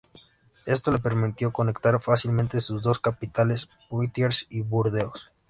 Esto le permitió conectar fácilmente sus dos capitales, Poitiers y Burdeos.